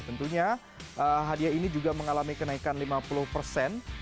tentunya hadiah ini juga mengalami kenaikan lima puluh persen